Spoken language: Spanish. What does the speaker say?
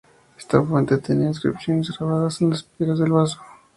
Esta fuente tenía inscripciones grabadas en las piedras del vaso.